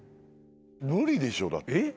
無理でしょだって。